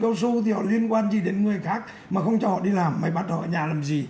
câu su thì họ liên quan gì đến người khác mà không cho họ đi làm mày bắt họ ở nhà làm gì